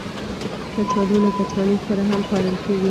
کچالو له کچالو سره هم خوړل کېږي